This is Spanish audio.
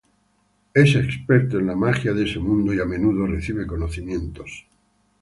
Él es experto en la magia de ese mundo y a menudo recibe conocimientos.